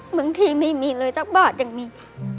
เหมือนที่ไม่มีเลยสักบาทยังมี